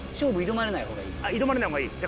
挑まれないほうがいい。